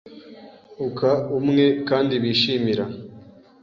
uka umwe kandi bishimira,